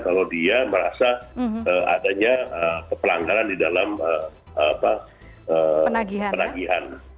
kalau dia merasa adanya pelanggaran di dalam penagihan